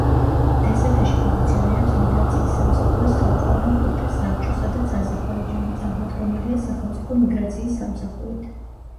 დსთ-ში ფუნქციონირებს მიგრაციის სამსახურის ხელმძღვანელ პირთა საბჭო, სადაც აზერბაიჯანი წარმოდგენილია სახელმწიფო მიგრაციის სამსახურით.